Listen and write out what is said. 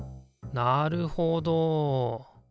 なるほど。